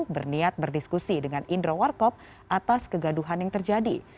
berniat berdiskusi dengan indro warkop atas kegaduhan yang terjadi